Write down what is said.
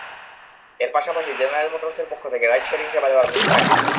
এর পাশাপাশি জেনারেল মোটরসের পক্ষ থেকে রাইড শেয়ারিং সেবা দেওয়ার ঘোষণা এসেছে।